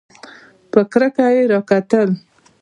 په کرکه یې راکتل !